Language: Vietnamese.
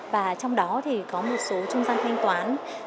và trong đó thì có một số trung gian thanh toán